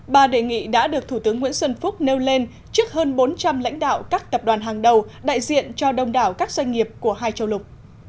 ba đề nghị đã được thủ tướng nguyễn xuân phúc nêu lên trước hơn bốn trăm linh lãnh đạo các tập đoàn hàng đầu đại diện cho đông đảo các doanh nghiệp của hai châu lục